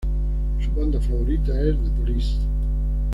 Su banda favorita es The Police.